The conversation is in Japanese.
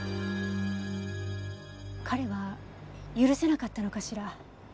彼は許せなかったのかしら？